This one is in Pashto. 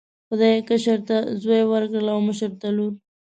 خدای کشر ته زوی ورکړ او مشر ته لور.